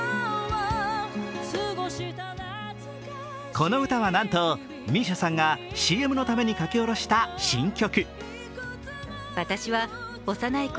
この歌は、なんとＭＩＳＩＡさんがＣＭのために書き下ろした新曲。